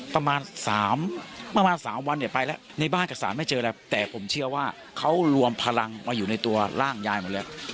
ประมาณ๓วันเนี่ยไปแล้วในบ้านกับสารไม่เจอแล้วแต่ผมเชื่อว่าเขารวมพลังมาอยู่ในตัวร่างยายหมดแล้ว